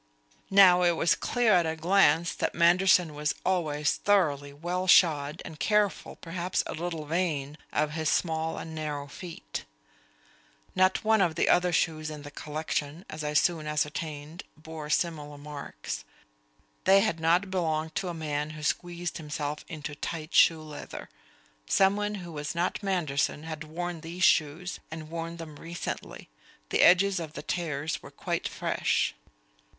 Now it was clear at a glance that Manderson was always thoroughly well shod and careful, perhaps a little vain, of his small and narrow feet. Not one of the other shoes in the collection, as I soon ascertained, bore similar marks; they had not belonged to a man who squeezed himself into tight shoe leather. Someone who was not Manderson had worn these shoes, and worn them recently; the edges of the tears were quite fresh.